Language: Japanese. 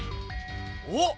おっ！